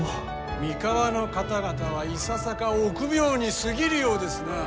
三河の方々はいささか臆病に過ぎるようですなあ。